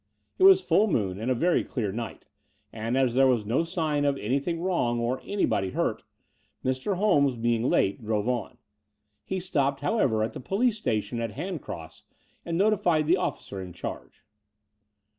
It was ftdl moon and a very clear night: and, as there was no sign of anything wrong or anybody hurt, Mr. Holmes, being late, drove on. He stopped, however, at the police station at Hand cross and notified the officer in charge.